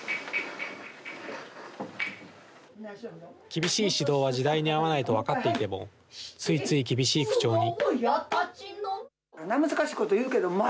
厳しい指導は時代に合わないと分かっていても、ついつい厳しい口調に。